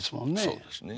そうですね。